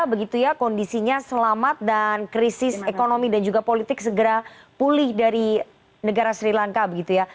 begitu ya kondisinya selamat dan krisis ekonomi dan juga politik segera pulih dari negara sri lanka begitu ya